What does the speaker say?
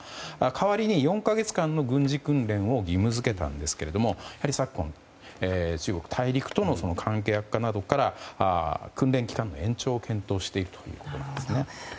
代わりに４か月間の軍事訓練を義務付けたんですけれども昨今、中国大陸との関係悪化などから訓練期間の延長を検討しているということなんですね。